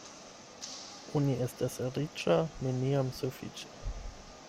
Oni estas riĉa neniam sufiĉe.